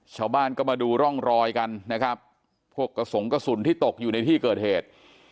ชาวบ้านก็มาดูร่องรอยกันนะครับพวกกระสงกระสุนที่ตกอยู่ในที่เกิดเหตุ